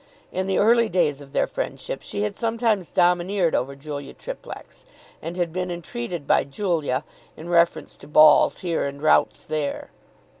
In the early days of their friendship she had sometimes domineered over Julia Triplex, and had been entreated by Julia, in reference to balls here and routes there.